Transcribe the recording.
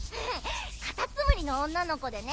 カタツムリのおんなのこでね